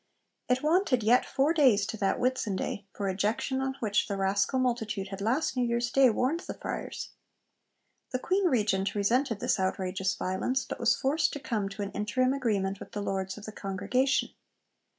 It wanted yet four days to that Whitsunday, for ejection on which the 'rascal multitude' had last New Year's Day warned the Friars! The Queen Regent resented this outrageous violence, but was forced to come to an interim agreement with the Lords of the Congregation.